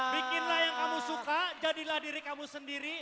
bikinlah yang kamu suka jadilah diri kamu sendiri